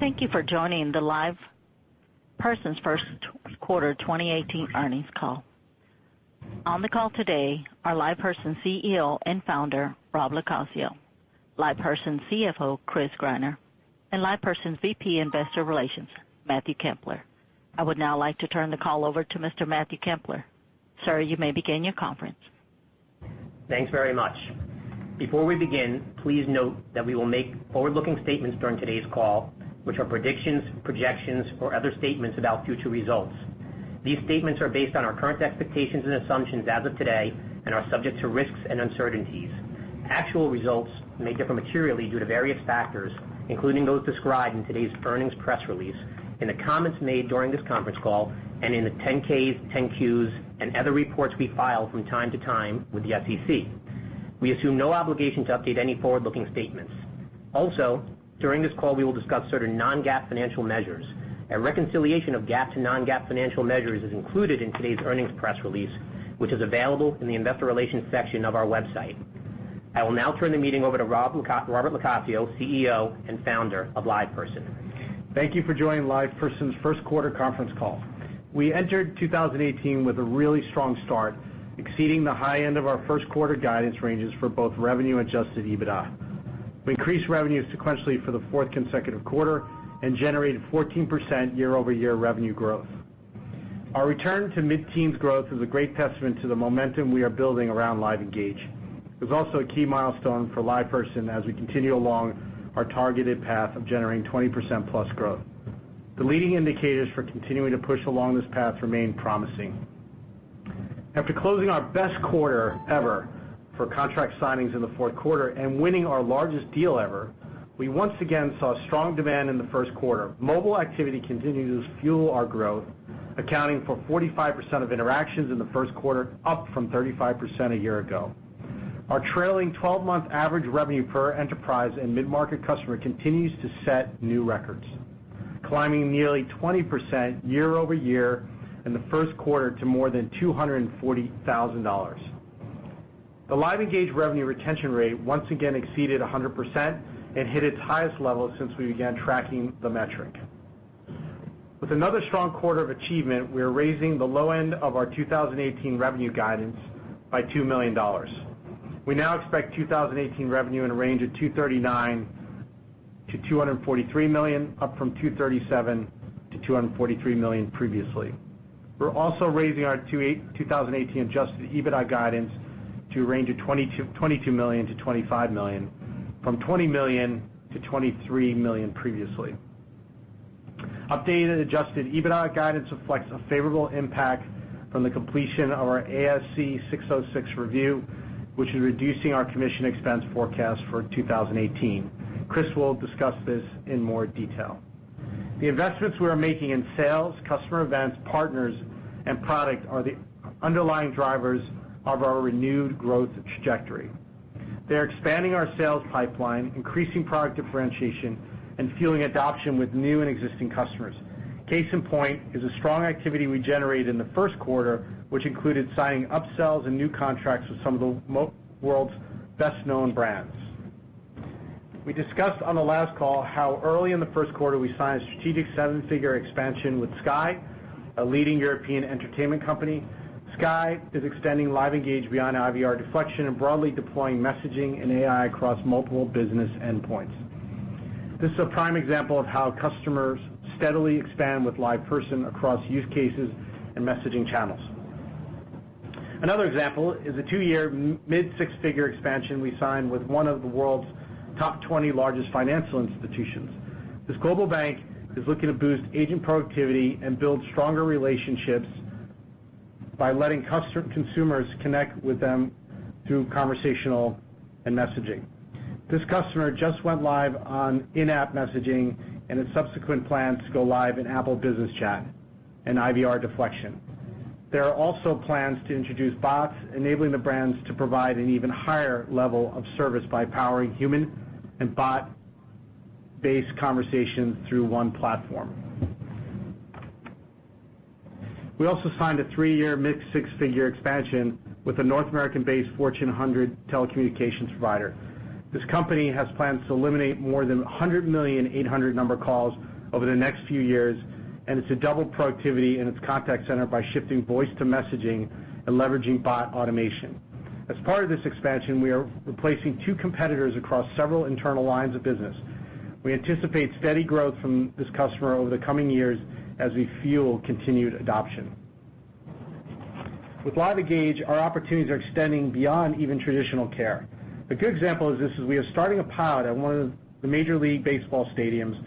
Thank you for joining LivePerson's first quarter 2018 earnings call. On the call today are LivePerson's CEO and founder, Robert LoCascio, LivePerson's CFO, Chris Greiner, and LivePerson's VP investor relations, Matthew Kempler. I would now like to turn the call over to Mr. Matthew Kempler. Sir, you may begin your conference. Thanks very much. Before we begin, please note that we will make forward-looking statements during today's call, which are predictions, projections, or other statements about future results. These statements are based on our current expectations and assumptions as of today and are subject to risks and uncertainties. Actual results may differ materially due to various factors, including those described in today's earnings press release, in the comments made during this conference call, and in the 10-Ks, 10-Qs and other reports we file from time to time with the SEC. We assume no obligation to update any forward-looking statements. Also, during this call, we will discuss certain non-GAAP financial measures. A reconciliation of GAAP to non-GAAP financial measures is included in today's earnings press release, which is available in the investor relations section of our website. I will now turn the meeting over to Robert LoCascio, CEO and founder of LivePerson. Thank you for joining LivePerson's first quarter conference call. We entered 2018 with a really strong start, exceeding the high end of our first quarter guidance ranges for both revenue adjusted EBITDA. We increased revenue sequentially for the fourth consecutive quarter and generated 14% year-over-year revenue growth. Our return to mid-teens growth is a great testament to the momentum we are building around LiveEngage. It was also a key milestone for LivePerson as we continue along our targeted path of generating 20% plus growth. The leading indicators for continuing to push along this path remain promising. After closing our best quarter ever for contract signings in the fourth quarter and winning our largest deal ever, we once again saw strong demand in the first quarter. Mobile activity continues to fuel our growth, accounting for 45% of interactions in the first quarter, up from 35% a year ago. Our trailing 12-month average revenue per enterprise and mid-market customer continues to set new records, climbing nearly 20% year-over-year in the first quarter to more than $240,000. The LiveEngage revenue retention rate once again exceeded 100% and hit its highest level since we began tracking the metric. With another strong quarter of achievement, we are raising the low end of our 2018 revenue guidance by $2 million. We now expect 2018 revenue in a range of $239 million-$243 million, up from $237 million-$243 million previously. We're also raising our 2018 adjusted EBITDA guidance to a range of $22 million-$25 million from $20 million-$23 million previously. Updated adjusted EBITDA guidance reflects a favorable impact from the completion of our ASC 606 review, which is reducing our commission expense forecast for 2018. Chris will discuss this in more detail. The investments we are making in sales, customer events, partners, and product are the underlying drivers of our renewed growth trajectory. They're expanding our sales pipeline, increasing product differentiation, and fueling adoption with new and existing customers. Case in point is the strong activity we generated in the first quarter, which included signing upsells and new contracts with some of the world's best-known brands. We discussed on the last call how early in the first quarter we signed a strategic seven-figure expansion with Sky, a leading European entertainment company. Sky is extending LiveEngage beyond IVR deflection and broadly deploying messaging and AI across multiple business endpoints. This is a prime example of how customers steadily expand with LivePerson across use cases and messaging channels. Another example is a two-year, mid-six-figure expansion we signed with one of the world's top 20 largest financial institutions. This global bank is looking to boost agent productivity and build stronger relationships by letting consumers connect with them through conversational and messaging. This customer just went live on in-app messaging and has subsequent plans to go live in Apple Business Chat and IVR deflection. There are also plans to introduce bots, enabling the brands to provide an even higher level of service by powering human and bot-based conversations through one platform. We also signed a three-year, mid-six-figure expansion with a North American-based Fortune 100 telecommunications provider. This company has plans to eliminate more than $100 million 800-number calls over the next few years, and it's to double productivity in its contact center by shifting voice to messaging and leveraging bot automation. As part of this expansion, we are replacing two competitors across several internal lines of business. We anticipate steady growth from this customer over the coming years as we fuel continued adoption. With LiveEngage, our opportunities are extending beyond even traditional care. A good example of this is we are starting a pod at one of the Major League Baseball stadiums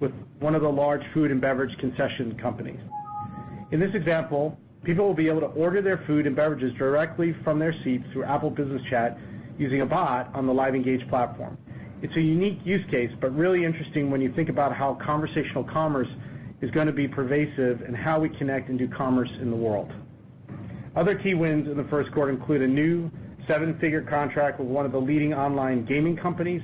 with one of the large food and beverage concession companies. In this example, people will be able to order their food and beverages directly from their seats through Apple Business Chat using a bot on the LiveEngage platform. It's a unique use case, but really interesting when you think about how conversational commerce is going to be pervasive in how we connect and do commerce in the world. Other key wins in the first quarter include a new seven-figure contract with one of the leading online gaming companies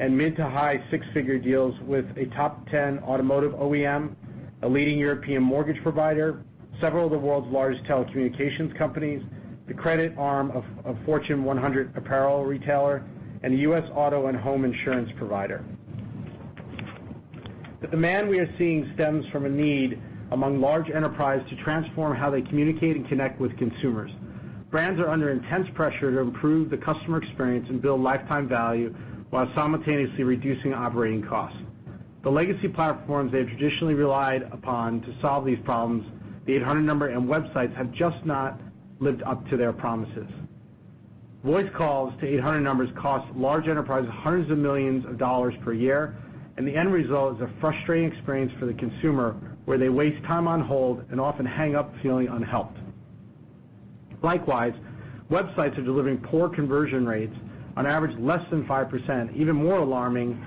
and mid to high six-figure deals with a top 10 automotive OEM, a leading European mortgage provider. Several of the world's largest telecommunications companies, the credit arm of Fortune 100 apparel retailer, and a U.S. auto and home insurance provider. The demand we are seeing stems from a need among large enterprise to transform how they communicate and connect with consumers. Brands are under intense pressure to improve the customer experience and build lifetime value while simultaneously reducing operating costs. The legacy platforms they've traditionally relied upon to solve these problems, the 800-number and websites, have just not lived up to their promises. Voice calls to 800-numbers cost large enterprises hundreds of millions of dollars per year, and the end result is a frustrating experience for the consumer, where they waste time on hold and often hang up feeling unhelped. Likewise, websites are delivering poor conversion rates, on average, less than 5%. Even more alarming,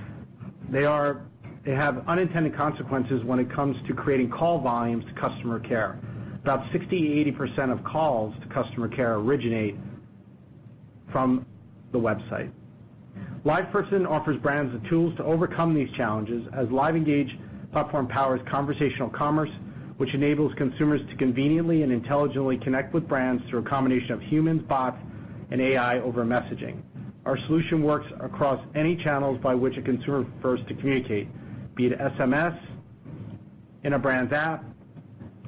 they have unintended consequences when it comes to creating call volumes to customer care. About 60%-80% of calls to customer care originate from the website. LivePerson offers brands the tools to overcome these challenges as LiveEngage platform powers conversational commerce, which enables consumers to conveniently and intelligently connect with brands through a combination of humans, bots, and AI over messaging. Our solution works across any channels by which a consumer prefers to communicate, be it SMS, in a brand's app,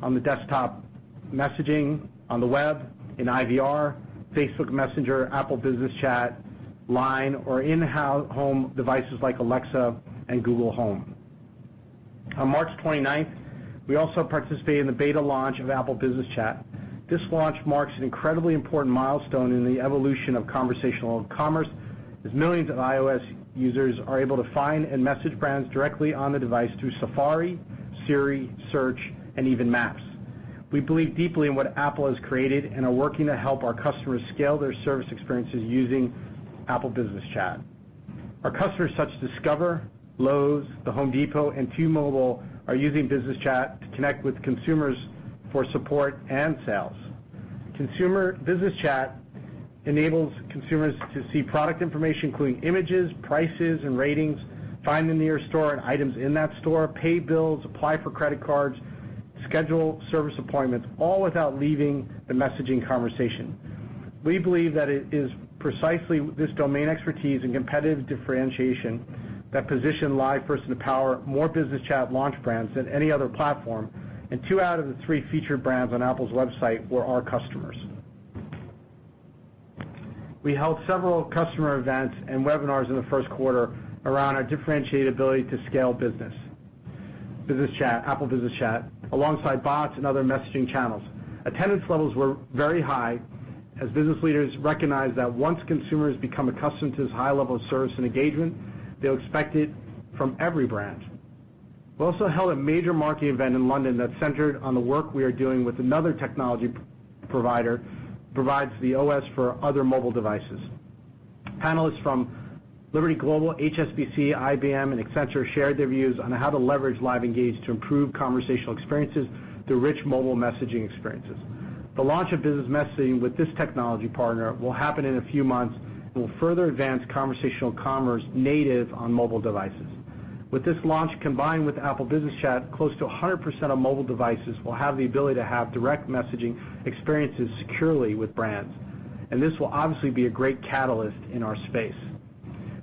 on the desktop messaging, on the web, in IVR, Facebook Messenger, Apple Business Chat, Line, or in-home devices like Alexa and Google Home. On March 29th, we also participated in the beta launch of Apple Business Chat. This launch marks an incredibly important milestone in the evolution of conversational commerce, as millions of iOS users are able to find and message brands directly on the device through Safari, Siri, Search, and even Maps. We believe deeply in what Apple has created and are working to help our customers scale their service experiences using Apple Business Chat. Our customers, such as Discover, Lowe's, The Home Depot, and T-Mobile, are using Business Chat to connect with consumers for support and sales. Business Chat enables consumers to see product information, including images, prices, and ratings, find the nearest store and items in that store, pay bills, apply for credit cards, schedule service appointments, all without leaving the messaging conversation. We believe that it is precisely this domain expertise and competitive differentiation that position LivePerson to power more Business Chat launch brands than any other platform. Two out of the three featured brands on Apple's website were our customers. We held several customer events and webinars in the first quarter around our differentiated ability to scale business. Business Chat, Apple Business Chat, alongside bots and other messaging channels. Attendance levels were very high, as business leaders recognized that once consumers become accustomed to this high level of service and engagement, they'll expect it from every brand. We also held a major marketing event in London that centered on the work we are doing with another technology provider, provides the OS for other mobile devices. Panelists from Liberty Global, HSBC, IBM, and Accenture shared their views on how to leverage LiveEngage to improve conversational experiences through rich mobile messaging experiences. The launch of business messaging with this technology partner will happen in a few months and will further advance conversational commerce native on mobile devices. With this launch, combined with Apple Business Chat, close to 100% of mobile devices will have the ability to have direct messaging experiences securely with brands. This will obviously be a great catalyst in our space.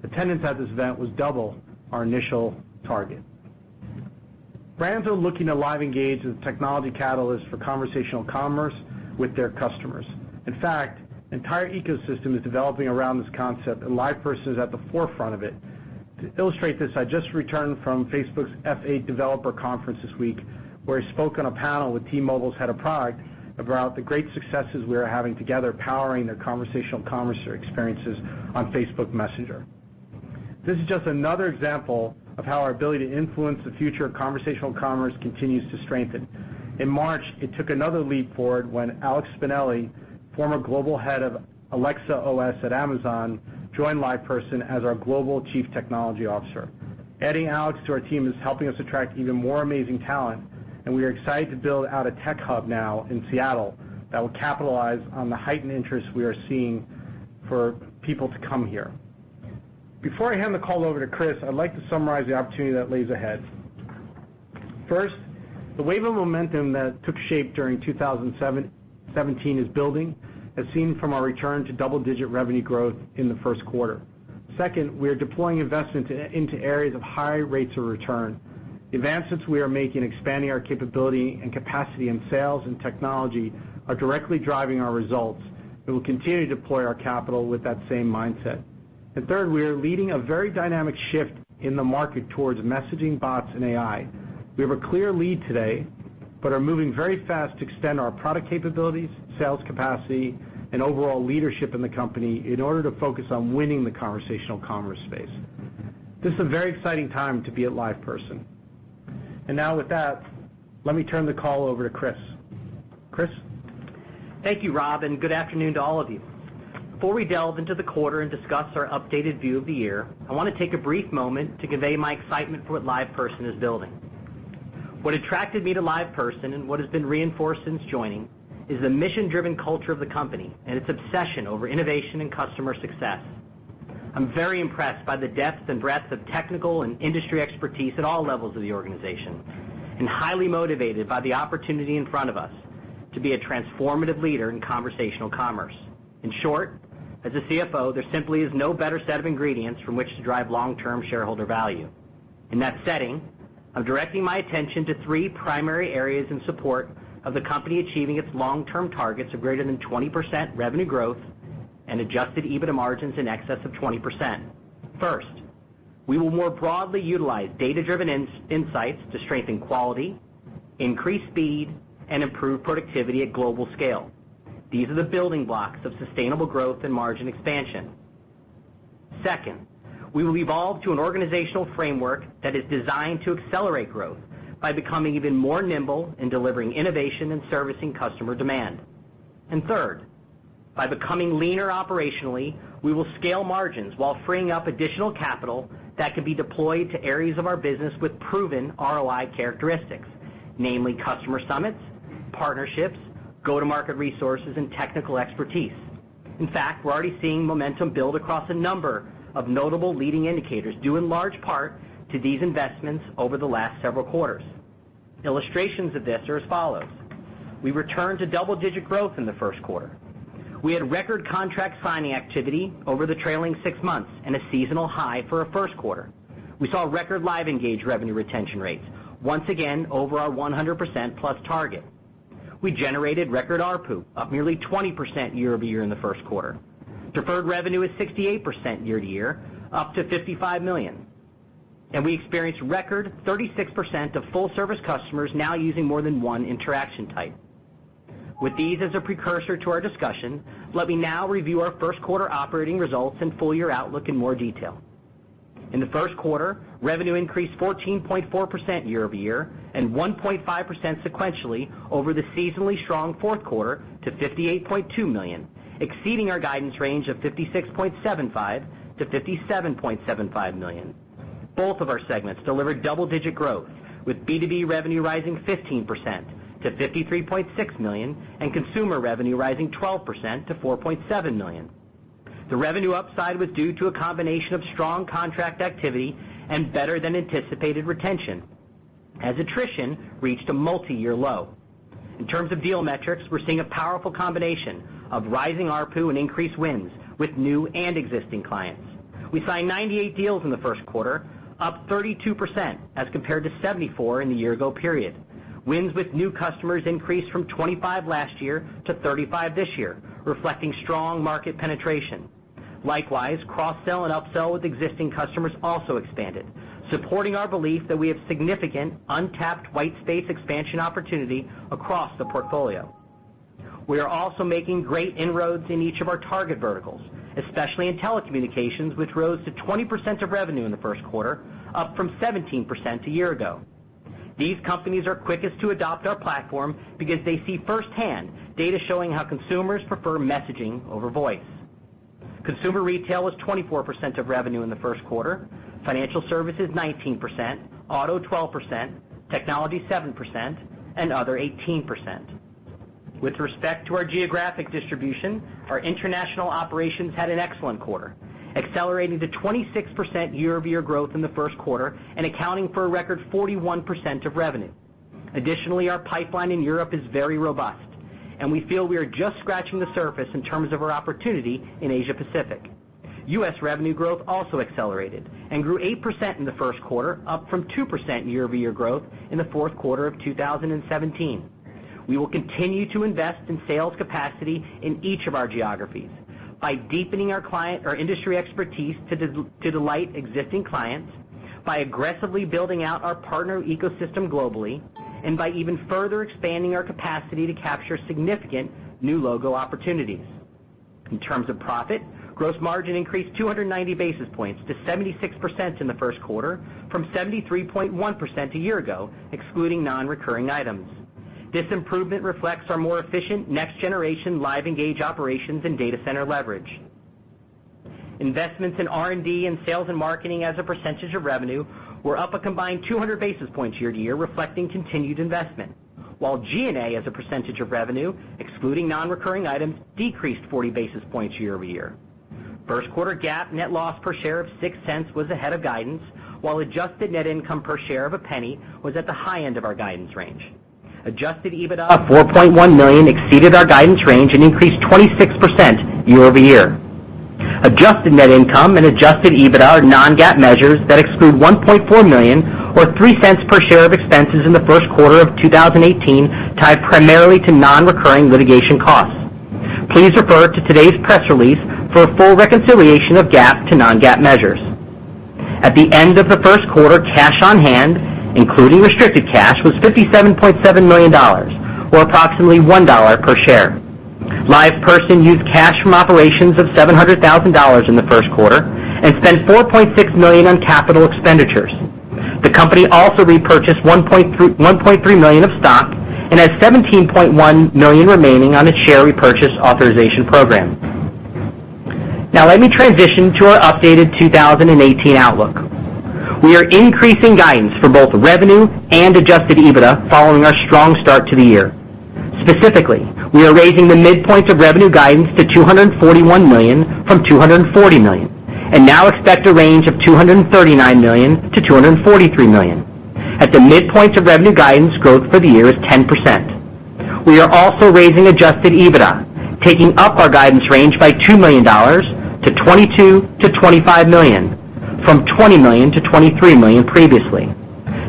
Attendance at this event was double our initial target. Brands are looking to LiveEngage as a technology catalyst for conversational commerce with their customers. In fact, an entire ecosystem is developing around this concept, and LivePerson is at the forefront of it. To illustrate this, I just returned from Facebook's F8 developer conference this week, where I spoke on a panel with T-Mobile's head of product about the great successes we are having together powering their conversational commerce experiences on Facebook Messenger. This is just another example of how our ability to influence the future of conversational commerce continues to strengthen. In March, it took another leap forward when Alex Spinelli, former global head of Alexa OS at Amazon, joined LivePerson as our Global Chief Technology Officer. Adding Alex to our team is helping us attract even more amazing talent, and we are excited to build out a tech hub now in Seattle that will capitalize on the heightened interest we are seeing for people to come here. Before I hand the call over to Chris, I'd like to summarize the opportunity that lays ahead. First, the wave of momentum that took shape during 2017 is building, as seen from our return to double-digit revenue growth in the first quarter. Second, we are deploying investment into areas of high rates of return. The advances we are making, expanding our capability and capacity in sales and technology, are directly driving our results, and we'll continue to deploy our capital with that same mindset. Third, we are leading a very dynamic shift in the market towards messaging bots and AI. We have a clear lead today, but are moving very fast to extend our product capabilities, sales capacity, and overall leadership in the company in order to focus on winning the conversational commerce space. This is a very exciting time to be at LivePerson. Now with that, let me turn the call over to Chris. Chris? Thank you, Rob, and good afternoon to all of you. Before we delve into the quarter and discuss our updated view of the year, I want to take a brief moment to convey my excitement for what LivePerson is building. What attracted me to LivePerson, and what has been reinforced since joining, is the mission-driven culture of the company and its obsession over innovation and customer success. I'm very impressed by the depth and breadth of technical and industry expertise at all levels of the organization, and highly motivated by the opportunity in front of us to be a transformative leader in conversational commerce. In short, as a CFO, there simply is no better set of ingredients from which to drive long-term shareholder value. In that setting, I'm directing my attention to three primary areas in support of the company achieving its long-term targets of greater than 20% revenue growth and adjusted EBITDA margins in excess of 20%. First, we will more broadly utilize data-driven insights to strengthen quality, increase speed, and improve productivity at global scale. These are the building blocks of sustainable growth and margin expansion. Second, we will evolve to an organizational framework that is designed to accelerate growth by becoming even more nimble in delivering innovation and servicing customer demand. Third, by becoming leaner operationally, we will scale margins while freeing up additional capital that can be deployed to areas of our business with proven ROI characteristics, namely customer summits, partnerships, go-to-market resources, and technical expertise. In fact, we're already seeing momentum build across a number of notable leading indicators due in large part to these investments over the last several quarters. Illustrations of this are as follows. We returned to double-digit growth in the first quarter. We had record contract signing activity over the trailing six months and a seasonal high for a first quarter. We saw record LiveEngage revenue retention rates, once again over our 100%-plus target. We generated record ARPU, up nearly 20% year-over-year in the first quarter. Deferred revenue is 68% year-to-year, up to $55 million. We experienced record 36% of full-service customers now using more than one interaction type. With these as a precursor to our discussion, let me now review our first quarter operating results and full-year outlook in more detail. In the first quarter, revenue increased 14.4% year-over-year and 1.5% sequentially over the seasonally strong fourth quarter to $58.2 million, exceeding our guidance range of $56.75 million-$57.75 million. Both of our segments delivered double-digit growth, with B2B revenue rising 15% to $53.6 million and consumer revenue rising 12% to $4.7 million. The revenue upside was due to a combination of strong contract activity and better-than-anticipated retention, as attrition reached a multi-year low. In terms of deal metrics, we're seeing a powerful combination of rising ARPU and increased wins with new and existing clients. We signed 98 deals in the first quarter, up 32% as compared to 74 in the year-ago period. Wins with new customers increased from 25 last year to 35 this year, reflecting strong market penetration. Likewise, cross-sell and up-sell with existing customers also expanded, supporting our belief that we have significant untapped white space expansion opportunity across the portfolio. We are also making great inroads in each of our target verticals, especially in telecommunications, which rose to 20% of revenue in the first quarter, up from 17% a year ago. These companies are quickest to adopt our platform because they see firsthand data showing how consumers prefer messaging over voice. Consumer retail was 24% of revenue in the first quarter, financial services 19%, auto 12%, technology 7%, and other 18%. With respect to our geographic distribution, our international operations had an excellent quarter, accelerating to 26% year-over-year growth in the first quarter and accounting for a record 41% of revenue. Our pipeline in Europe is very robust, and we feel we are just scratching the surface in terms of our opportunity in Asia-Pacific. U.S. revenue growth also accelerated and grew 8% in the first quarter, up from 2% year-over-year growth in the fourth quarter of 2017. We will continue to invest in sales capacity in each of our geographies by deepening our client or industry expertise to delight existing clients, by aggressively building out our partner ecosystem globally, and by even further expanding our capacity to capture significant new logo opportunities. In terms of profit, gross margin increased 290 basis points to 76% in the first quarter from 73.1% a year ago, excluding non-recurring items. This improvement reflects our more efficient next-generation LiveEngage operations and data center leverage. Investments in R&D and sales and marketing as a percentage of revenue were up a combined 200 basis points year-to-year, reflecting continued investment. While G&A as a percentage of revenue, excluding non-recurring items, decreased 40 basis points year-over-year. First quarter GAAP net loss per share of $0.06 was ahead of guidance, while adjusted net income per share of $0.01 was at the high end of our guidance range. Adjusted EBITDA of $4.1 million exceeded our guidance range and increased 26% year-over-year. Adjusted net income and adjusted EBITDA are non-GAAP measures that exclude $1.4 million or $0.03 per share of expenses in the first quarter of 2018 tied primarily to non-recurring litigation costs. Please refer to today's press release for a full reconciliation of GAAP to non-GAAP measures. At the end of the first quarter, cash on hand, including restricted cash, was $57.7 million, or approximately $1 per share. LivePerson used cash from operations of $700,000 in the first quarter and spent $4.6 million on capital expenditures. The company also repurchased $1.3 million of stock and has $17.1 million remaining on its share repurchase authorization program. Let me transition to our updated 2018 outlook. We are increasing guidance for both revenue and adjusted EBITDA following our strong start to the year. Specifically, we are raising the midpoint of revenue guidance to $241 million from $240 million, and now expect a range of $239 million-$243 million. At the midpoint of revenue guidance growth for the year is 10%. We are also raising adjusted EBITDA, taking up our guidance range by $2 million to $22 million-$25 million, from $20 million-$23 million previously.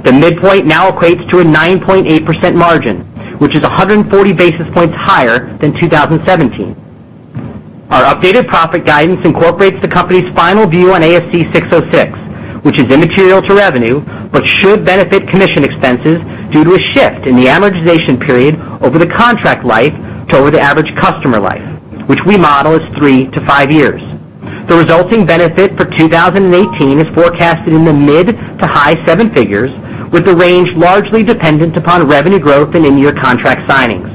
The midpoint now equates to a 9.8% margin, which is 140 basis points higher than 2017. Our updated profit guidance incorporates the company's final view on ASC 606, which is immaterial to revenue but should benefit commission expenses due to a shift in the amortization period over the contract life toward the average customer life, which we model as three to five years. The resulting benefit for 2018 is forecasted in the mid to high seven figures, with the range largely dependent upon revenue growth and in-year contract signings.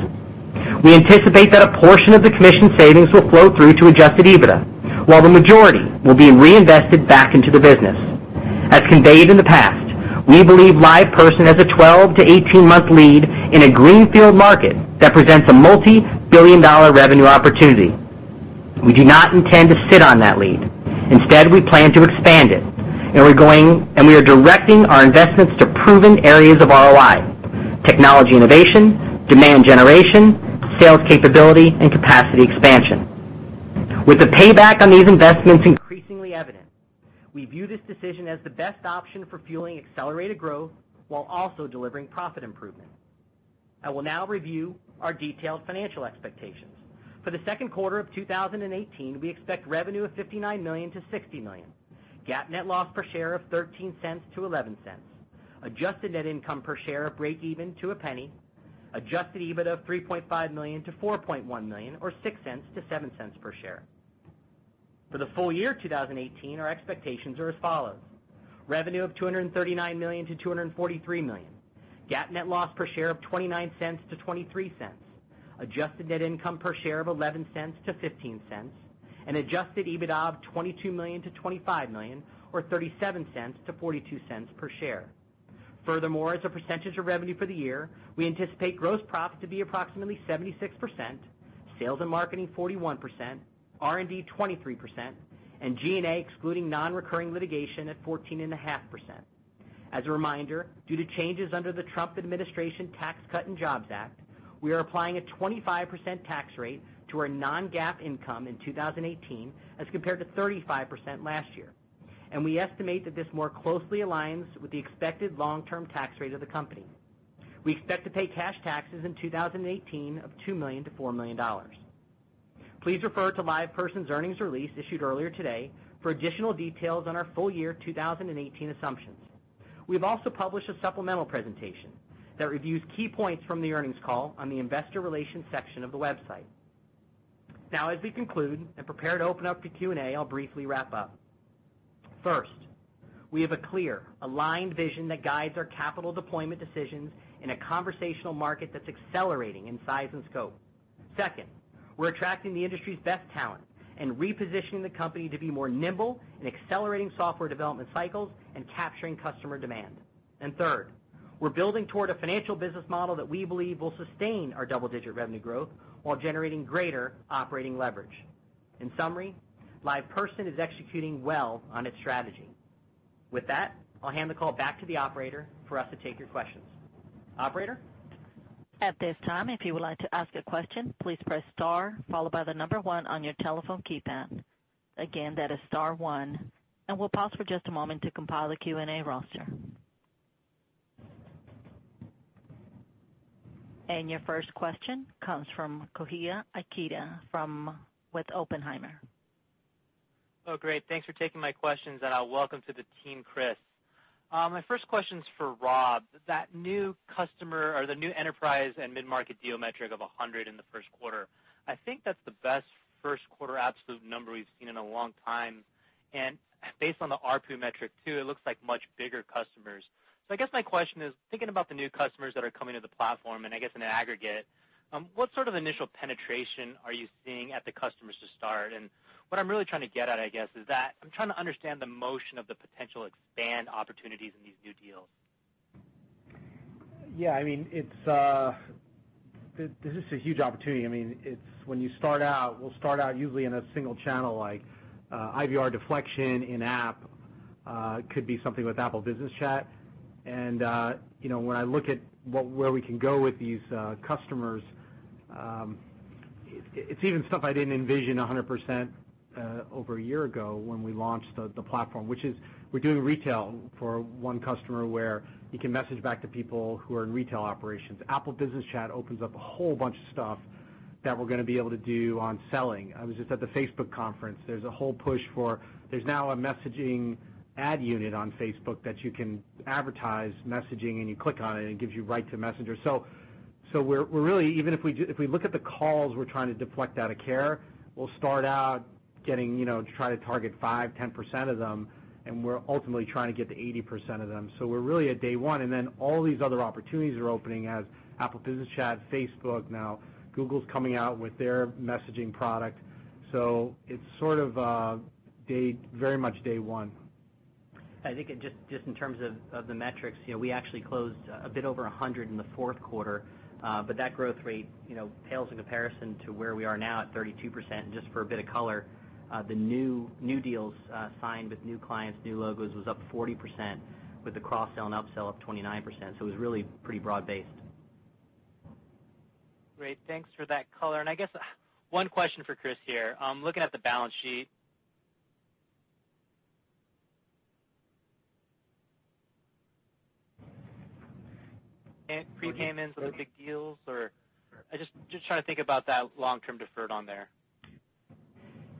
We anticipate that a portion of the commission savings will flow through to adjusted EBITDA, while the majority will be reinvested back into the business. As conveyed in the past, we believe LivePerson has a 12 to 18-month lead in a greenfield market that presents a multi-billion dollar revenue opportunity. We do not intend to sit on that lead. Instead, we plan to expand it. We are directing our investments to proven areas of ROI: technology innovation, demand generation, sales capability, and capacity expansion. With the payback on these investments increasingly evident, we view this decision as the best option for fueling accelerated growth while also delivering profit improvement. I will now review our detailed financial expectations. For the second quarter of 2018, we expect revenue of $59 million-$60 million, GAAP net loss per share of $0.13-$0.11, adjusted net income per share of breakeven to $0.01, adjusted EBITDA of $3.5 million-$4.1 million or $0.06-$0.07 per share. For the full year 2018, our expectations are as follows. Revenue of $239 million-$243 million, GAAP net loss per share of $0.29-$0.23, adjusted net income per share of $0.11-$0.15, and adjusted EBITDA of $22 million-$25 million or $0.37-$0.42 per share. Furthermore, as a percentage of revenue for the year, we anticipate gross profits to be approximately 76%, sales and marketing 41%, R&D 23%, and G&A excluding non-recurring litigation at 14.5%. As a reminder, due to changes under the Tax Cuts and Jobs Act of 2017, we are applying a 25% tax rate to our non-GAAP income in 2018 as compared to 35% last year. We estimate that this more closely aligns with the expected long-term tax rate of the company. We expect to pay cash taxes in 2018 of $2 million-$4 million. Please refer to LivePerson's earnings release issued earlier today for additional details on our full year 2018 assumptions. We've also published a supplemental presentation that reviews key points from the earnings call on the investor relations section of the website. As we conclude and prepare to open up to Q&A, I'll briefly wrap up. First, we have a clear, aligned vision that guides our capital deployment decisions in a conversational market that's accelerating in size and scope. Second, we're attracting the industry's best talent and repositioning the company to be more nimble in accelerating software development cycles and capturing customer demand. Third, we're building toward a financial business model that we believe will sustain our double-digit revenue growth while generating greater operating leverage. In summary, LivePerson is executing well on its strategy. With that, I'll hand the call back to the operator for us to take your questions. Operator? At this time, if you would like to ask a question, please press star followed by the number 1 on your telephone keypad. Again, that is star 1. We'll pause for just a moment to compile the Q&A roster. Your first question comes from Koji Ikeda with Oppenheimer. Oh, great. Thanks for taking my questions, and welcome to the team, Chris. My first question's for Rob. That new customer or the new enterprise and mid-market deal metric of 100 in the first quarter, I think that's the best first quarter absolute number we've seen in a long time. Based on the ARPU metric too, it looks like much bigger customers. I guess my question is, thinking about the new customers that are coming to the platform, and I guess in aggregate, what sort of initial penetration are you seeing at the customers to start? What I'm really trying to get at, I guess, is that I'm trying to understand the motion of the potential expand opportunities in these new deals. Yeah. This is a huge opportunity. When you start out, we'll start out usually in a single channel like IVR deflection in-app. Could be something with Apple Business Chat. When I look at where we can go with these customers, it's even stuff I didn't envision 100% over a year ago when we launched the platform. We're doing retail for one customer where you can message back to people who are in retail operations. Apple Business Chat opens up a whole bunch of stuff that we're going to be able to do on selling. I was just at the Facebook conference. There's now a messaging ad unit on Facebook that you can advertise messaging, and you click on it, and it gives you right to Messenger. Even if we look at the calls we're trying to deflect out of care, we'll start out getting to try to target 5%, 10% of them, and we're ultimately trying to get to 80% of them. We're really at day one, and then all these other opportunities are opening as Apple Business Chat, Facebook, now Google's coming out with their messaging product. It's very much day one. I think just in terms of the metrics, we actually closed a bit over 100 in the fourth quarter. That growth rate pales in comparison to where we are now at 32%. Just for a bit of color, the new deals signed with new clients, new logos was up 40% with the cross-sell and upsell up 29%. It was really pretty broad-based. Great. Thanks for that color. I guess one question for Chris here. Looking at the balance sheet. Prepayments or the big deals, or I just trying to think about that long-term deferred on there.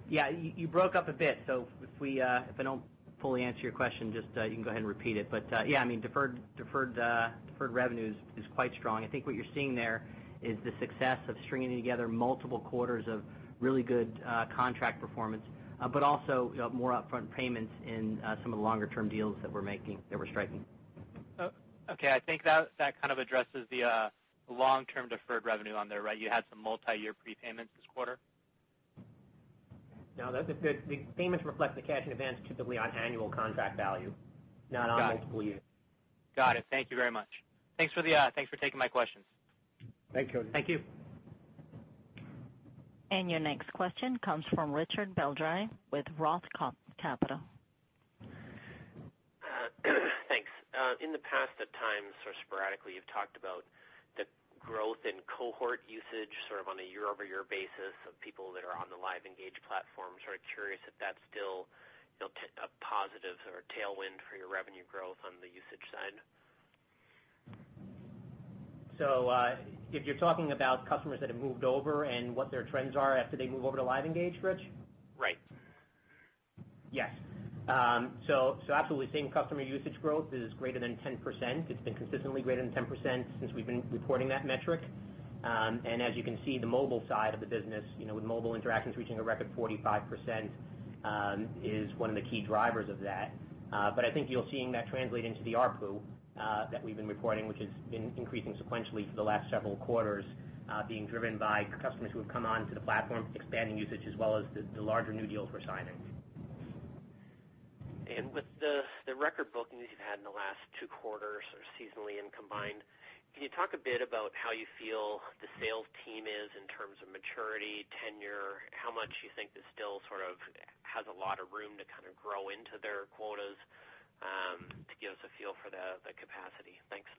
Yeah, you broke up a bit, so if I don't fully answer your question, just you can go ahead and repeat it. Yeah, deferred revenue is quite strong. I think what you're seeing there is the success of stringing together multiple quarters of really good contract performance. Also more upfront payments in some of the longer-term deals that we're making, that we're striking. Okay. I think that kind of addresses the long-term deferred revenue on there, right? You had some multi-year prepayments this quarter? No, the payments reflect the cash in advance typically on annual contract value, not on multiple years. Got it. Thank you very much. Thanks for taking my questions. Thank you. Thank you. Your next question comes from Richard Baldry with Roth Capital. Thanks. In the past, at times, sort of sporadically, you've talked about the growth in cohort usage, sort of on a year-over-year basis of people that are on the LiveEngage platform. Sort of curious if that's still a positive or tailwind for your revenue growth on the usage side. If you're talking about customers that have moved over and what their trends are after they move over to LiveEngage, Rich? Right. Yes. Absolutely, seeing customer usage growth is greater than 10%. It's been consistently greater than 10% since we've been reporting that metric. As you can see, the mobile side of the business, with mobile interactions reaching a record 45%, is one of the key drivers of that. I think you're seeing that translate into the ARPU that we've been reporting, which has been increasing sequentially for the last several quarters, being driven by customers who have come onto the platform, expanding usage, as well as the larger new deals we're signing. With the record bookings you've had in the last two quarters, sort of seasonally and combined, can you talk a bit about how you feel the sales team is in terms of maturity, tenure, how much you think this still sort of has a lot of room to kind of grow into their quotas, to give us a feel for the capacity? Thanks.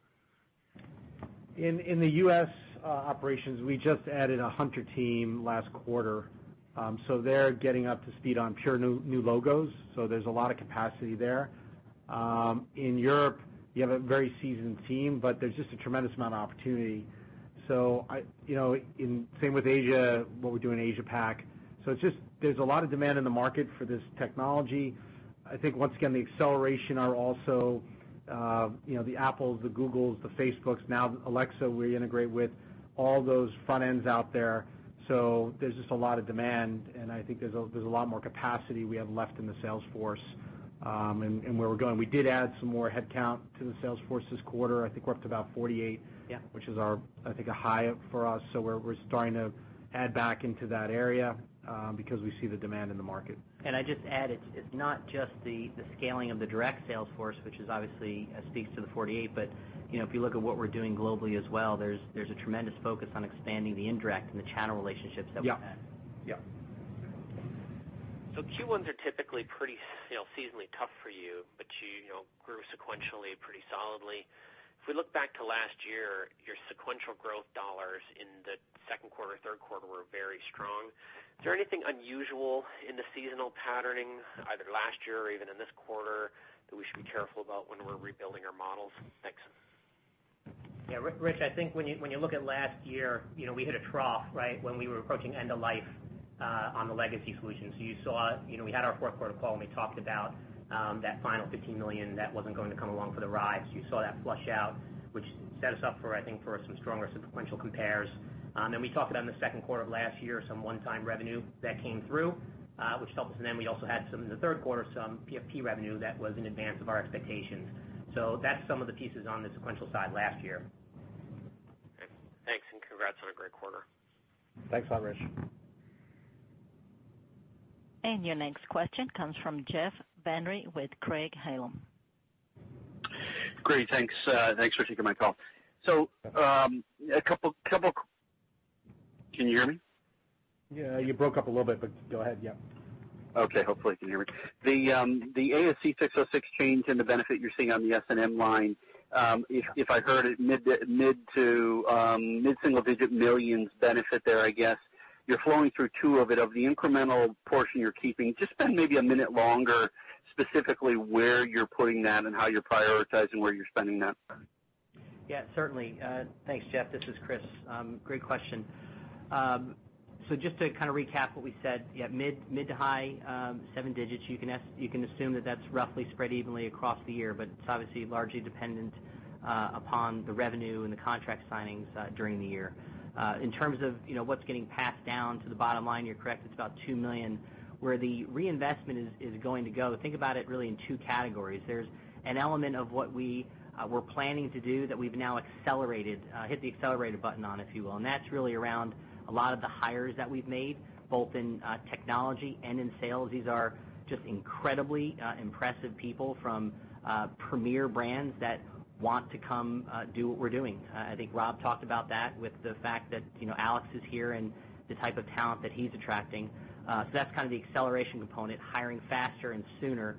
In the U.S. operations, we just added a hunter team last quarter. They're getting up to speed on pure new logos, there's a lot of capacity there. In Europe, you have a very seasoned team, but there's just a tremendous amount of opportunity. Same with Asia, what we do in Asia Pac. There's a lot of demand in the market for this technology. I think, once again, the acceleration are also the Apples, the Googles, the Facebooks. Now Alexa we integrate with, all those front ends out there. There's just a lot of demand, and I think there's a lot more capacity we have left in the sales force, and where we're going. We did add some more headcount to the sales force this quarter. I think we're up to about 48. Yeah. Which is our, I think, a high for us. We're starting to add back into that area, because we see the demand in the market. I'd just add, it's not just the scaling of the direct sales force, which obviously speaks to the 48. If you look at what we're doing globally as well, there's a tremendous focus on expanding the indirect and the channel relationships that we have. Yeah. Q1s are typically pretty seasonally tough for you, but you grew sequentially pretty solidly. If we look back to last year, your sequential growth dollars in the second quarter, third quarter were very strong. Is there anything unusual in the seasonal patterning, either last year or even in this quarter, that we should be careful about when we're rebuilding our models? Thanks. Yeah, Rich, I think when you look at last year, we hit a trough when we were approaching end of life on the legacy solution. You saw we had our fourth quarter call, and we talked about that final $15 million that wasn't going to come along for the ride. You saw that flush out, which set us up for, I think, for some stronger sequential compares. We talked about in the second quarter of last year, some one-time revenue that came through, which helped us. We also had some in the third quarter, some PFP revenue that was in advance of our expectations. That's some of the pieces on the sequential side last year. Okay. Thanks, congrats on a great quarter. Thanks a lot, Rich. Your next question comes from Jeff Van Rhee with Craig-Hallum. Great. Thanks. Thanks for taking my call. Can you hear me? Yeah, you broke up a little bit, go ahead, yeah. Okay. Hopefully you can hear me. The ASC 606 change and the benefit you're seeing on the S&M line, if I heard it, mid-single digit millions benefit there, I guess. You're flowing through two of it. Of the incremental portion you're keeping, just spend maybe a minute longer specifically where you're putting that and how you're prioritizing where you're spending that. Yeah, certainly. Thanks, Jeff. This is Chris. Great question. Just to kind of recap what we said, mid to high seven digits. You can assume that that's roughly spread evenly across the year, it's obviously largely dependent upon the revenue and the contract signings during the year. In terms of what's getting passed down to the bottom line, you're correct, it's about $2 million Where the reinvestment is going to go, think about it really in 2 categories. There's an element of what we're planning to do that we've now hit the accelerated button on, if you will, and that's really around a lot of the hires that we've made, both in technology and in sales. These are just incredibly impressive people from premier brands that want to come do what we're doing. I think Rob talked about that with the fact that Alex is here and the type of talent that he's attracting. That's kind of the acceleration component, hiring faster and sooner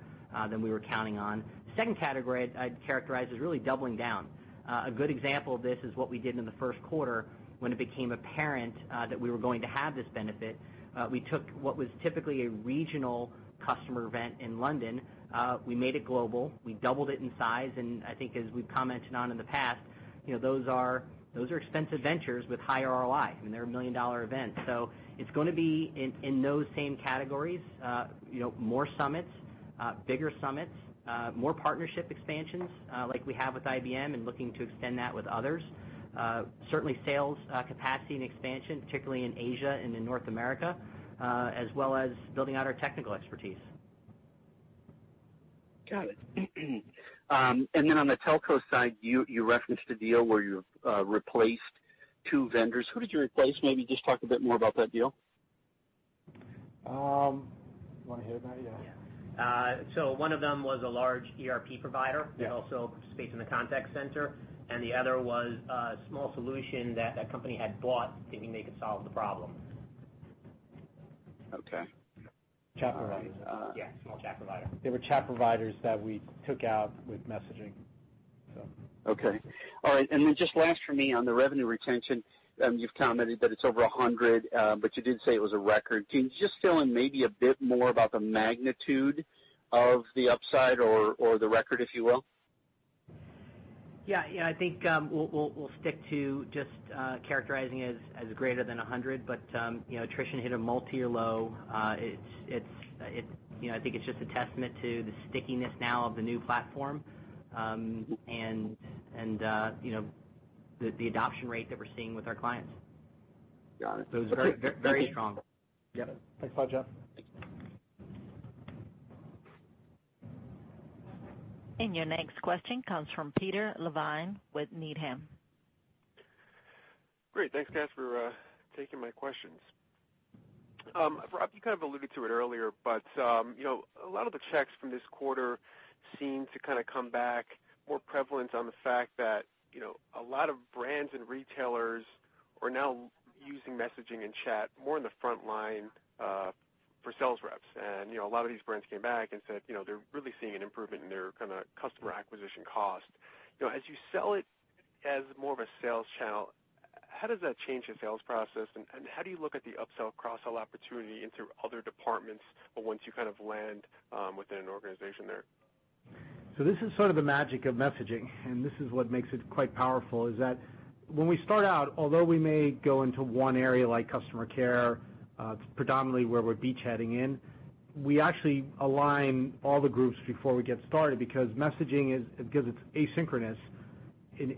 than we were counting on. Second category I'd characterize as really doubling down. A good example of this is what we did in the first quarter when it became apparent that we were going to have this benefit. We took what was typically a regional customer event in London, we made it global, we doubled it in size, and I think as we've commented on in the past, those are expensive ventures with high ROI. I mean, they're $1 million events. It's going to be in those same categories. More summits, bigger summits, more partnership expansions like we have with IBM and looking to extend that with others. Certainly sales capacity and expansion, particularly in Asia and in North America, as well as building out our technical expertise. Got it. On the telco side, you referenced a deal where you replaced two vendors. Who did you replace? Maybe just talk a bit more about that deal. You want to hit it, Matt? Yeah. One of them was a large ERP provider that also participated in the contact center, and the other was a small solution that that company had bought, thinking they could solve the problem. Okay. Chat providers. Yeah, small chat provider. They were chat providers that we took out with messaging. Okay. All right, just last for me on the revenue retention, you've commented that it's over 100, you did say it was a record. Can you just fill in maybe a bit more about the magnitude of the upside or the record, if you will? Yeah. I think we'll stick to just characterizing it as greater than 100, attrition hit a multi-year low. I think it's just a testament to the stickiness now of the new platform, and the adoption rate that we're seeing with our clients. Got it. It's very strong. Yep. Thanks a lot, Jeff. Thanks. Your next question comes from Peter Levine with Needham. Great. Thanks, guys, for taking my questions. Rob, you kind of alluded to it earlier, but a lot of the checks from this quarter seem to kind of come back more prevalent on the fact that a lot of brands and retailers are now using messaging and chat more in the front line for sales reps. A lot of these brands came back and said they're really seeing an improvement in their customer acquisition cost. As you sell it as more of a sales channel, how does that change the sales process, and how do you look at the upsell, cross-sell opportunity into other departments once you land within an organization there? This is sort of the magic of messaging, and this is what makes it quite powerful, is that when we start out, although we may go into one area like customer care, predominantly where we're beachheading in, we actually align all the groups before we get started because messaging is asynchronous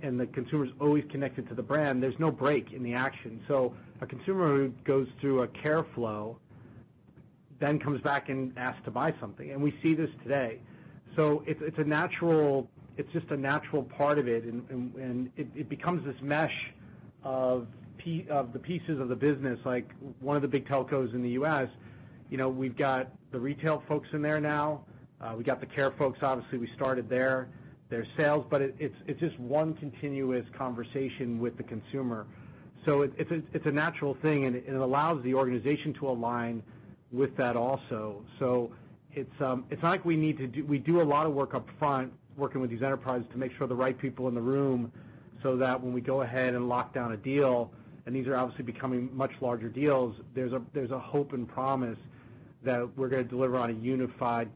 and the consumer's always connected to the brand. There's no break in the action. A consumer who goes through a care flow then comes back and asks to buy something. We see this today. It's just a natural part of it, and it becomes this mesh of the pieces of the business. Like one of the big telcos in the U.S., we've got the retail folks in there now. We've got the care folks, obviously, we started there. There's sales. It's just one continuous conversation with the consumer. It's a natural thing, it allows the organization to align with that also. We do a lot of work up front working with these enterprises to make sure the right people are in the room so that when we go ahead and lock down a deal, these are obviously becoming much larger deals, there's a hope and promise that we're gonna deliver on a unified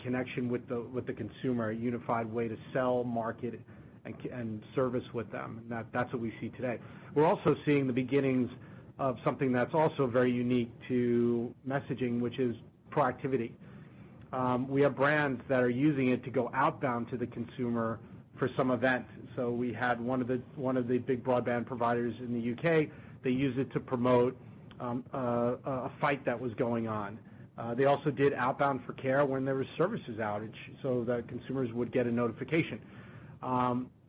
connection with the consumer, a unified way to sell, market, and service with them. That's what we see today. We're also seeing the beginnings of something that's also very unique to messaging, which is proactivity. We have brands that are using it to go outbound to the consumer for some event. We had one of the big broadband providers in the U.K., they used it to promote a fight that was going on. They also did outbound for care when there was services outage, the consumers would get a notification.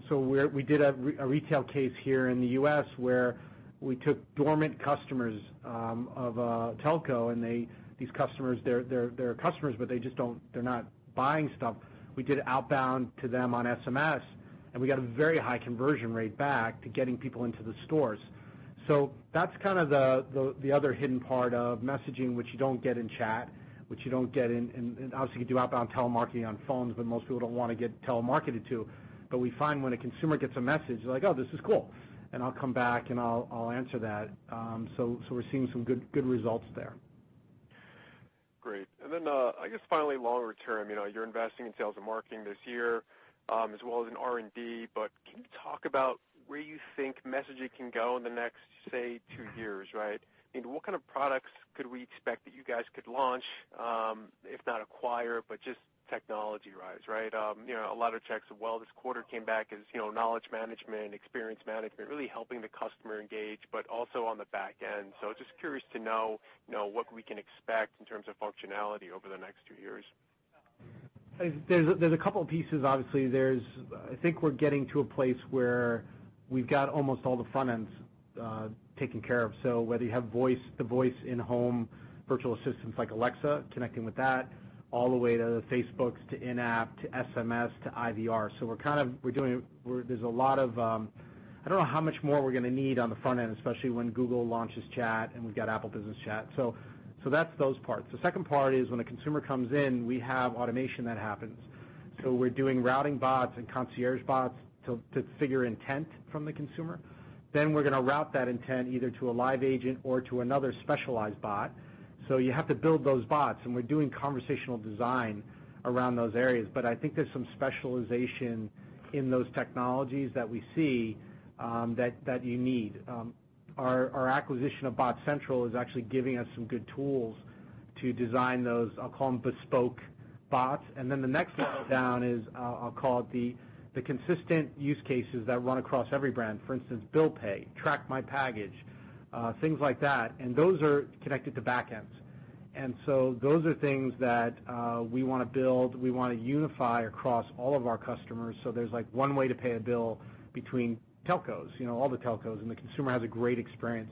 We did a retail case here in the U.S. where we took dormant customers of a telco, these customers, they're customers, but they're not buying stuff. We did outbound to them on SMS, we got a very high conversion rate back to getting people into the stores. That's kind of the other hidden part of messaging, which you don't get in chat, which you don't get in. Obviously, you do outbound telemarketing on phones, but most people don't want to get telemarketed to. We find when a consumer gets a message, they're like, "Oh, this is cool," I'll come back, I'll answer that. We're seeing some good results there. Great. Then I guess finally, longer term, you're investing in sales and marketing this year, as well as in R&D, can you talk about where you think messaging can go in the next, say, two years, right? I mean, what kind of products could we expect that you guys could launch? if not acquire, just technology-wise, right? A lot of checks, well, this quarter came back as knowledge management, experience management, really helping the customer engage, also on the back end. Just curious to know what we can expect in terms of functionality over the next two years. There's a couple pieces. Obviously, I think we're getting to a place where we've got almost all the front ends taken care of. Whether you have the voice in-home virtual assistants like Alexa, connecting with that, all the way to the Facebook, to in-app, to SMS, to IVR. There's a lot. I don't know how much more we're going to need on the front end, especially when Google launches chat and we've got Apple Business Chat. That's those parts. The second part is when a consumer comes in, we have automation that happens. We're doing routing bots and concierge bots to figure intent from the consumer. We're going to route that intent either to a live agent or to another specialized bot. You have to build those bots, we're doing conversational design around those areas. I think there's some specialization in those technologies that we see that you need. Our acquisition of BotCentral is actually giving us some good tools to design those, I'll call them bespoke bots. The next step down is, I'll call it the consistent use cases that run across every brand. For instance, bill pay, track my package, things like that. Those are connected to back ends. Those are things that we want to build, we want to unify across all of our customers, so there's one way to pay a bill between telcos, all the telcos, and the consumer has a great experience.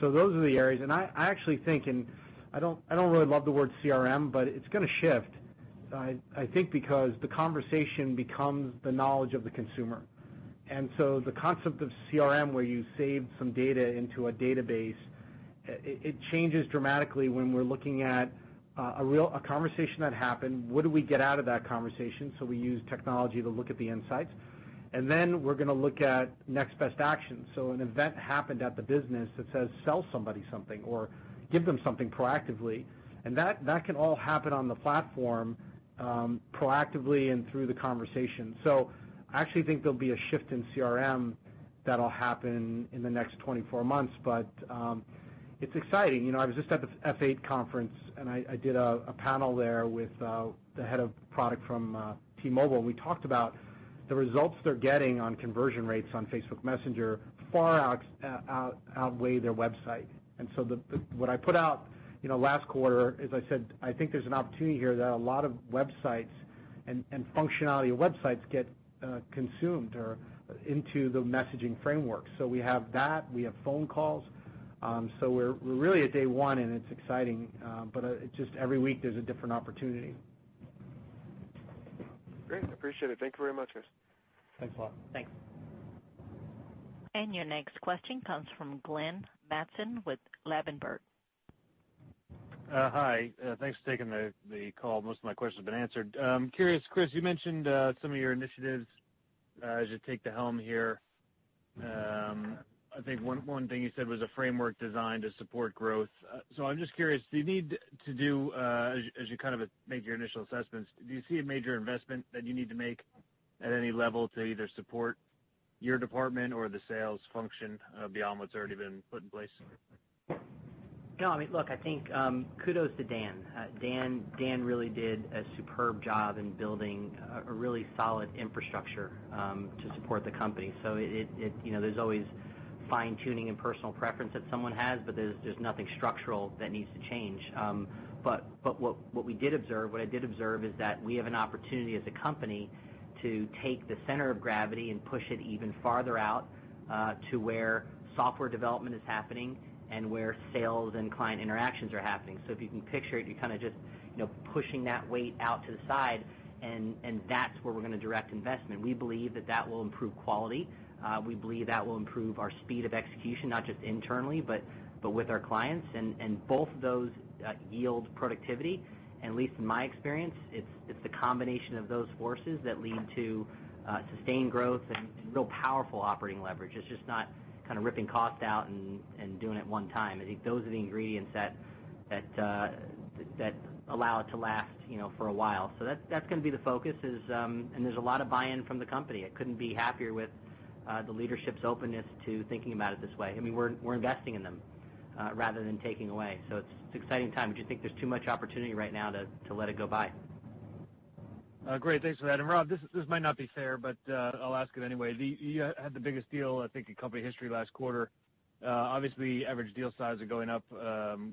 Those are the areas. I actually think, and I don't really love the word CRM, but it's going to shift. I think because the conversation becomes the knowledge of the consumer. The concept of CRM, where you save some data into a database, it changes dramatically when we're looking at a conversation that happened, what do we get out of that conversation? We use technology to look at the insights. We're going to look at next best action. An event happened at the business that says sell somebody something or give them something proactively, and that can all happen on the platform, proactively and through the conversation. I actually think there'll be a shift in CRM that'll happen in the next 24 months. It's exciting. I was just at the F8 conference, and I did a panel there with the head of product from T-Mobile, and we talked about the results they're getting on conversion rates on Facebook Messenger far outweigh their website. What I put out last quarter is I said, I think there's an opportunity here that a lot of websites and functionality of websites get consumed into the messaging framework. We have that, we have phone calls. We're really at day one and it's exciting. Just every week there's a different opportunity. Great. Appreciate it. Thank you very much, guys. Thanks a lot. Thanks. Your next question comes from Glenn Mattson with Ladenburg. Hi. Thanks for taking the call. Most of my questions have been answered. I'm curious, Chris, you mentioned some of your initiatives as you take the helm here. I think one thing you said was a framework designed to support growth. I'm just curious, do you need to do, as you make your initial assessments, do you see a major investment that you need to make at any level to either support your department or the sales function beyond what's already been put in place? No, look, I think kudos to Dan. Dan really did a superb job in building a really solid infrastructure to support the company. There's always fine-tuning and personal preference that someone has, but there's nothing structural that needs to change. What we did observe, what I did observe is that we have an opportunity as a company to take the center of gravity and push it even farther out to where software development is happening and where sales and client interactions are happening. If you can picture it, you're just pushing that weight out to the side, and that's where we're going to direct investment. We believe that that will improve quality. We believe that will improve our speed of execution, not just internally, but with our clients. Both of those yield productivity. At least from my experience, it's the combination of those forces that lead to sustained growth and real powerful operating leverage. It's just not ripping cost out and doing it one time. I think those are the ingredients that allow it to last for a while. That's going to be the focus, and there's a lot of buy-in from the company. I couldn't be happier with the leadership's openness to thinking about it this way. We're investing in them rather than taking away. It's an exciting time. I just think there's too much opportunity right now to let it go by. Great. Thanks for that. Rob, this might not be fair, but I'll ask it anyway. You had the biggest deal, I think, in company history last quarter. Obviously, average deal sizes are going up,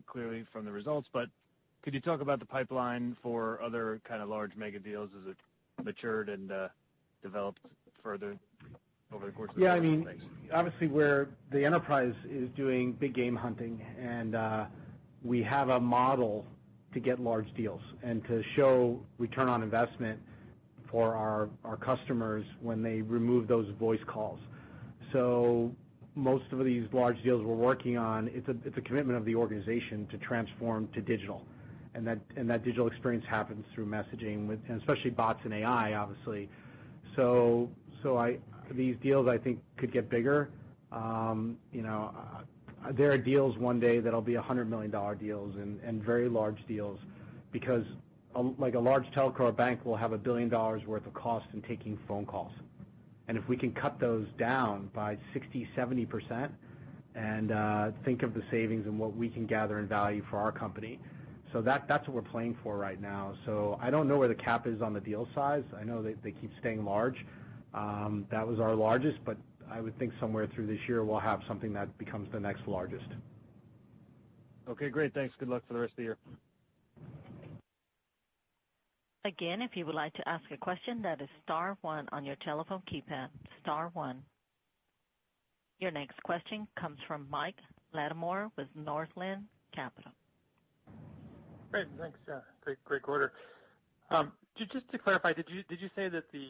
clearly from the results, but could you talk about the pipeline for other large mega deals as it matured and developed further over the course of the next- Obviously, the enterprise is doing big game hunting, and we have a model to get large deals and to show return on investment for our customers when they remove those voice calls. Most of these large deals we're working on, it's a commitment of the organization to transform to digital, and that digital experience happens through messaging, and especially bots and AI, obviously. These deals, I think, could get bigger. There are deals one day that'll be $100 million deals and very large deals because a large telco or bank will have $1 billion worth of cost in taking phone calls. If we can cut those down by 60%-70%, and think of the savings and what we can gather in value for our company. That's what we're playing for right now. I don't know where the cap is on the deal size. I know they keep staying large. That was our largest, but I would think somewhere through this year we'll have something that becomes the next largest. Okay, great. Thanks. Good luck for the rest of the year. Again, if you would like to ask a question, that is star one on your telephone keypad. Star one. Your next question comes from Mike Latimore with Northland Capital. Great, thanks. Great quarter. Just to clarify, did you say that the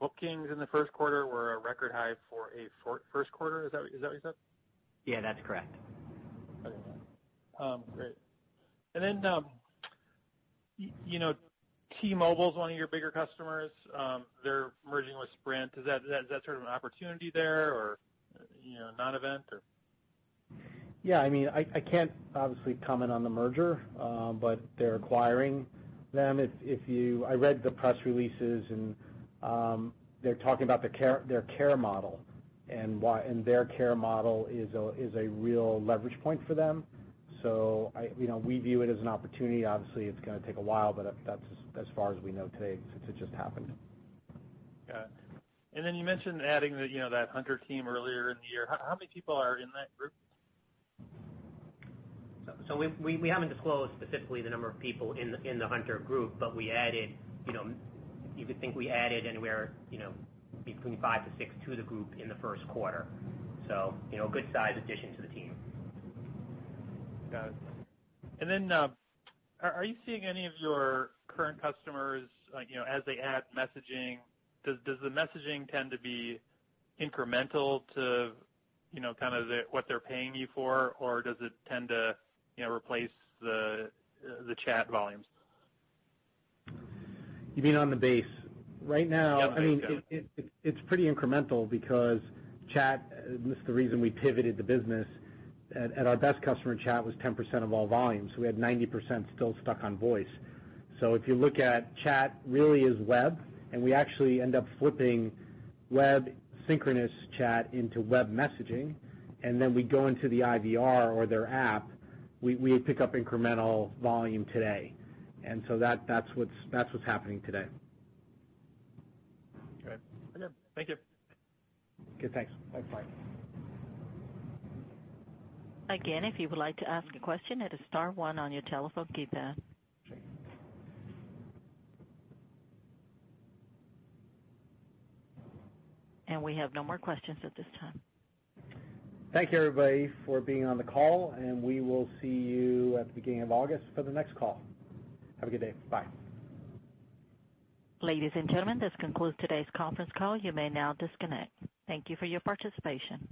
bookings in the first quarter were a record high for a first quarter? Is that what you said? Yeah, that's correct. Okay. Great. T-Mobile's one of your bigger customers. They're merging with Sprint. Is that sort of an opportunity there or a non-event, or? Yeah, I can't obviously comment on the merger, but they're acquiring them. I read the press releases and they're talking about their care model and their care model is a real leverage point for them. We view it as an opportunity. Obviously, it's going to take a while, but that's as far as we know today, since it just happened. Got it. You mentioned adding that hunter team earlier in the year. How many people are in that group? We haven't disclosed specifically the number of people in the hunter group, but you could think we added anywhere between five to six to the group in the first quarter. A good size addition to the team. Got it. Are you seeing any of your current customers, as they add messaging, does the messaging tend to be incremental to what they're paying you for? Or does it tend to replace the chat volumes? You mean on the base? Yeah, base, yeah. Right now, it's pretty incremental because chat, this is the reason we pivoted the business. At our best customer, chat was 10% of all volume, we had 90% still stuck on voice. If you look at chat, really is web, and we actually end up flipping web synchronous chat into web messaging, and then we go into the IVR or their app, we pick up incremental volume today. That's what's happening today. Okay. Thank you. Okay, thanks. Bye. Bye. Again, if you would like to ask a question, hit star one on your telephone keypad. We have no more questions at this time. Thank you, everybody, for being on the call, and we will see you at the beginning of August for the next call. Have a good day. Bye. Ladies and gentlemen, this concludes today's conference call. You may now disconnect. Thank you for your participation.